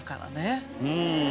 うん。